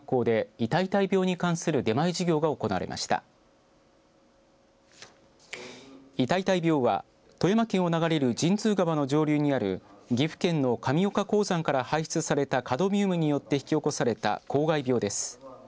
イタイイタイ病は富山県を流れる神通川の上流にある岐阜県の神岡鉱山から排出されたカドミウムによって引き起こされた公害病です。